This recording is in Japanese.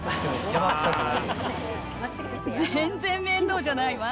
全然面倒じゃないわ。